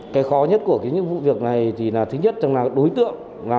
cái khó nhất của những vụ việc này thì là thứ nhất là đối tượng